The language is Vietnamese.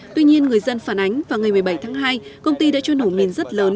tuy nhiên người dân phản ánh vào ngày một mươi bảy tháng hai công ty đã cho nổ mìn rất lớn